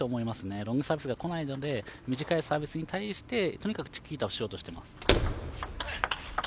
ロングサービスがこないので短いサービスに対してとにかくチキータをしようとしています。